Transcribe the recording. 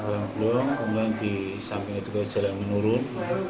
remblong kemudian di samping itu jalan menurun